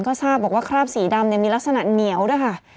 ก็ทราบบอกว่าคราบสีดำมีลักษณะเหนียวด้วยค่ะ